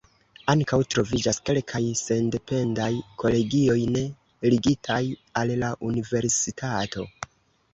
Ankaŭ troviĝas kelkaj sendependaj kolegioj ne ligitaj al la universitato.